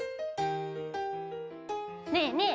ねえねえ